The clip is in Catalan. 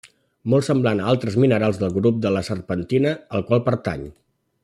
Molt semblant a altres minerals del grup de la serpentina al qual pertany.